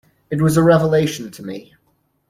It was a revelation to me.